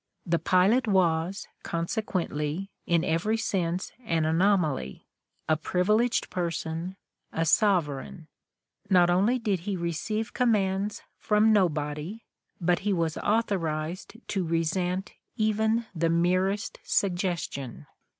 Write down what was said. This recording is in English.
The pilot was, consequently, in every sense an anomaly, a privileged person, a "sovereign." Not only did he receive commands from nobody but he was authorized to resent even the merest suggestion.